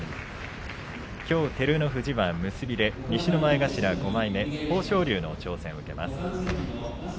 きょう照ノ富士は結びで西の前頭５枚目豊昇龍の挑戦を受けます。